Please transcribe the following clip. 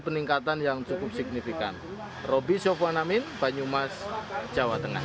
peningkatan yang cukup signifikan roby sofwan amin banyumas jawa tengah